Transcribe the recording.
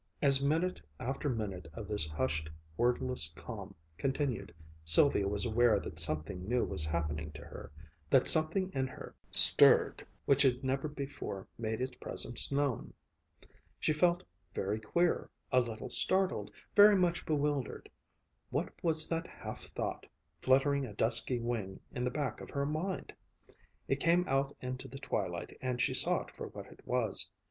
As minute after minute of this hushed, wordless calm continued, Sylvia was aware that something new was happening to her, that something in her stirred which had never before made its presence known. She felt very queer, a little startled, very much bewildered. What was that half thought fluttering a dusky wing in the back of her mind? It came out into the twilight and she saw it for what it was.